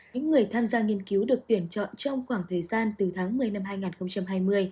những người tham gia nghiên cứu được tuyển chọn trong khoảng thời gian từ tháng một mươi năm hai nghìn hai mươi